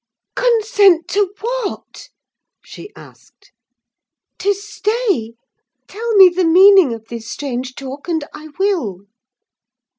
"Consent to what?" she asked. "To stay! tell me the meaning of this strange talk, and I will.